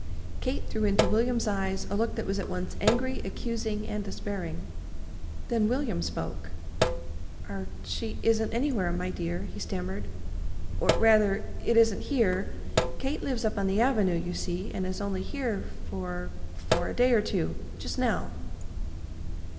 Kate threw into William's eyes a look that was at once angry, accusing, and despairing. Then William spoke. "Er she it isn't anywhere, my dear," he stammered; "or rather, it isn't here. Kate lives up on the Avenue, you see, and is only here for for a day or two just now."